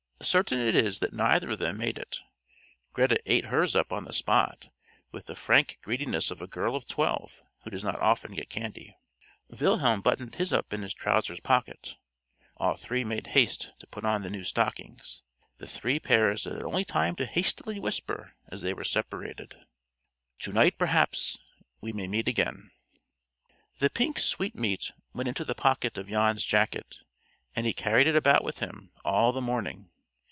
Certain it is that neither of them made it. Greta ate hers up on the spot, with the frank greediness of a girl of twelve who does not often get candy. Wilhelm buttoned his up in his trousers pocket. All three made haste to put on the new stockings. The three pairs had only time to hastily whisper as they were separated, "To night perhaps we may meet again." The pink sweetmeat went into the pocket of Jan's jacket, and he carried it about with him all the morning.